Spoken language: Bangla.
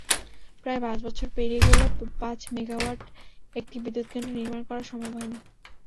প্রায় পাঁচ বছর পেরিয়ে গেলেও পাঁচ মেগাওয়াটের একটি বিদ্যুৎকেন্দ্র নির্মাণ করা সম্ভব হয়নি।